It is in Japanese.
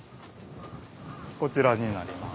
こちらになります。